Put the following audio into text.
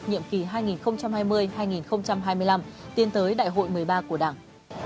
nhiệm kỳ hai nghìn hai mươi hai nghìn hai mươi năm tiến tới đại hội một mươi ba của đảng